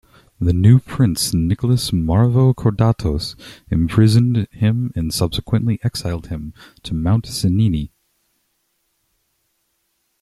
The new Prince Nicholas Mavrocordatos imprisoned him, and subsequently exiled him to Mount Sinai.